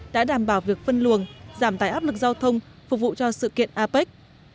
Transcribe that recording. đã đảm bảo việc phân luồng giảm tải áp lực giao thông phục vụ cho sự kiện apec